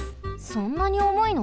そんなにおもいの？